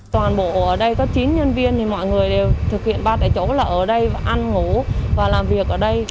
toàn bộ ở đây có chín nhân viên thì mọi người đều thực hiện ba tại chỗ là ở đây và ăn ngủ và làm việc ở đây